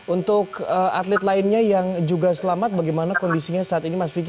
untuk atlet lainnya yang juga selamat bagaimana kondisinya saat ini mas vicky